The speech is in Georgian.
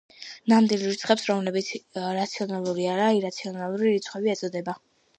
ნამდვილ რიცხვებს რომლებიც რაციონალური არაა ირაციონალური რიცხვები ეწოდება.